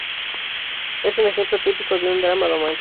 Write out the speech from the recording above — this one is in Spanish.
Es un ejemplo típico de un drama romántico.